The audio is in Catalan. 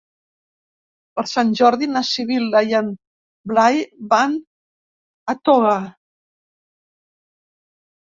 Per Sant Jordi na Sibil·la i en Blai van a Toga.